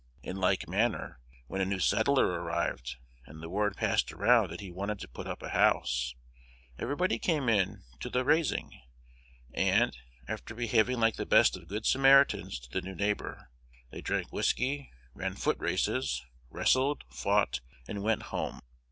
In like manner, when a new settler arrived, and the word passed around that he wanted to put up a house, everybody came in to the "raising;" and, after behaving like the best of good Samaritans to the new neighbor, they drank whiskey, ran foot races, wrestled, fought, and went home.